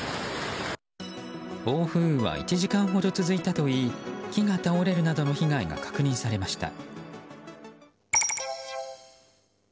暴風雨は１時間ほど続いたといい木が倒れるなどの被害が確認されました。